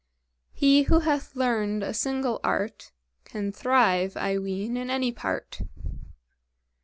"He who hath learned a single art, Can thrive, I ween, in any part."